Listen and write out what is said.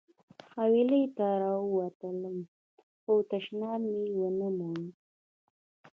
حویلۍ ته راووتلم خو تشناب مې ونه موند.